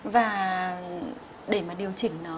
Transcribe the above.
và để mà điều chỉnh nó